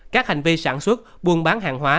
các hành vi sản xuất buôn bán hàng hóa